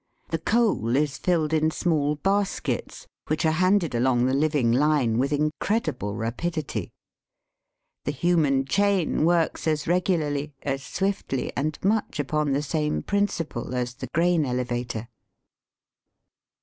The coal is filled in small baskets, which are handed along the living line with incredible rapidity. The human chain works as regularly, as swiftly, and much upon the same principle as the grain elevator.